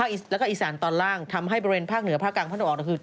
อีสานตอนล่างทำให้บริเวณภาคเหนือภาคกลางพันธุ์ออก